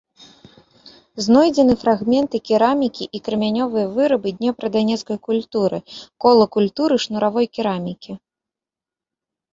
Знойдзены фрагменты керамікі і крамянёвыя вырабы днепра-данецкай культуры, кола культуры шнуравой керамікі.